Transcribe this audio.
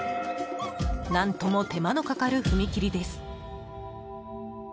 何とも手間のかかる踏切です。